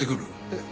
えっ？